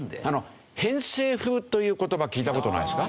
偏西風という言葉聞いた事ないですか？